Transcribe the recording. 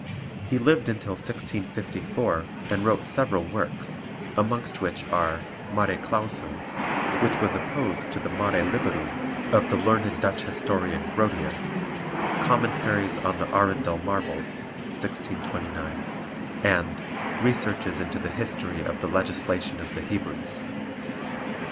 He lived until 1654 and wrote several works, amongst which are Mare clausum, which was opposed to the Mare liberum of the learned Dutch historian Grotius, Commentaries on the Arundel Marbles (1629), and Researches into the History of the Legislation of the Hebrews.